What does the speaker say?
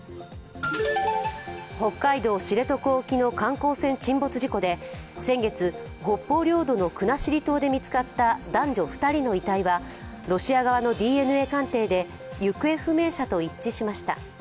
北海道・知床沖の観光船沈没事故で先月、北方領土の国後島で見つかった男女２人の遺体はロシア側のＤＮＡ鑑定で行方不明者と一致しました。